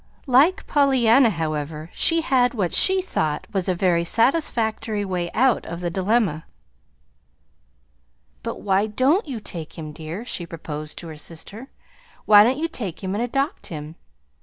Like Pollyanna, however, she had what she thought was a very satisfactory way out of the dilemma. "But why don't you take him, dear?" she proposed to her sister. "Why don't you take him and adopt him?